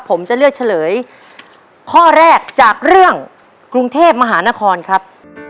ผมจะเลือกเฉลยข้อแรกจากเรื่องกรุงเทพมหานครครับ